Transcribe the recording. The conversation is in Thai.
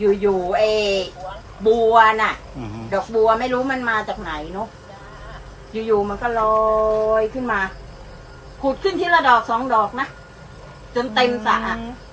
อยู่ไอ้บัวน่ะดอกบัวไม่รู้มันมาจากไหนเนอะอยู่มันก็ลอยขึ้นมาขุดขึ้นทีละดอกสองดอกนะจนเต็มสระ